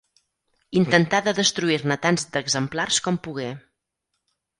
Intentà de destruir-ne tants d'exemplars com pogué.